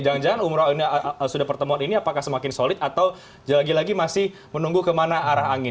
jangan jangan umroh ini sudah pertemuan ini apakah semakin solid atau lagi lagi masih menunggu kemana arah angin